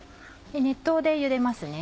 熱湯でゆでますね。